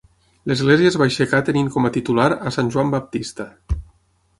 L'església es va aixecar tenint com a titular a Sant Joan Baptista.